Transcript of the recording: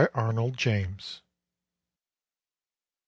55 ARNOLD JAMBS. i.